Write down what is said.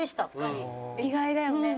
意外だよね。